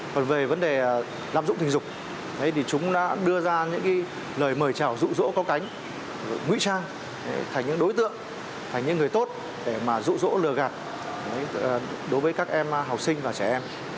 còn về vấn đề lạm dụng tình dục thì chúng đã đưa ra những lời mời chào rụ rỗ có cánh nguy trang thành những đối tượng thành những người tốt để mà rụ rỗ lừa gạt đối với các em học sinh và trẻ em